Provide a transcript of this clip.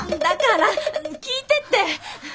だから聞いてって！